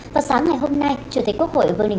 vào sáng ngày hôm nay chủ tịch quốc hội vương đình